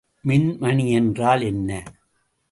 மின்மணி என்றால் என்ன?